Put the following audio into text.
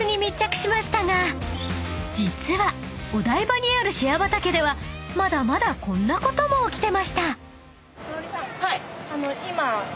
［実はお台場にあるシェア畑ではまだまだこんなことも起きてました］